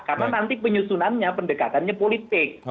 karena nanti penyusunannya pendekatannya politik